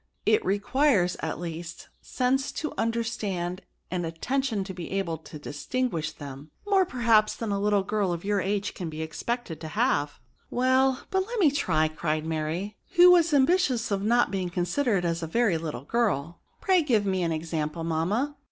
It requires, at least, sense to under stand and attention to be able to distinguish them, more, perhaps, than a little girl of your age can be expected to have." " Well, but let me try," cried Mary, who was ambitious of not being considered as a SOO DEMONSTRATIVE FAOKOUNS. very little girl. " Pray give me an example^ mamma ?